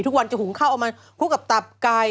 ทุกวันจะหุงข้าวเอามาคลุกกับตับไก่